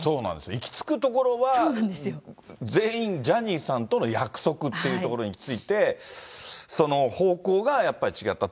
行きつくところは、全員、ジャニーさんとの約束っていうところに行きついて、その方向がやっぱり違った。